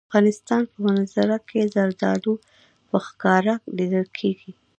د افغانستان په منظره کې زردالو په ښکاره لیدل کېږي.